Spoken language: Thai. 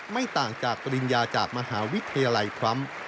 ไม่ต่างจากปริญญาจากมหาวิทยาลัยทรัมป์